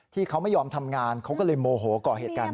ที่เขาไม่ยอมทำงานเขาก็เลยโมโหก่อเหตุการณ์นี้